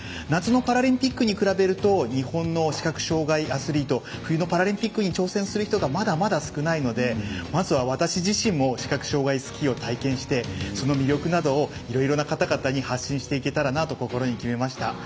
夏のパラリンピックに比べると日本の視覚障がいアスリート冬のパラリンピックに挑戦する人がまだまだ少ないのでまずは、私自身も視覚障がいスキーを体験してその魅力などをいろいろな方々に発信できたらなと心に決めました。